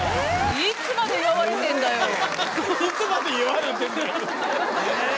いつまで祝われてんだよって。